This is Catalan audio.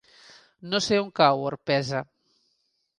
No sé on cau Orpesa.